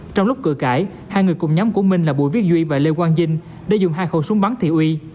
trong lúc cửa cãi hai người cùng nhóm của bình là bùi viết duy và lê quang dinh để dùng hai khẩu súng bắn thiệu uy